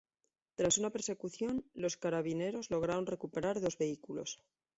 Tras una persecución, los carabineros lograron recuperar dos vehículos.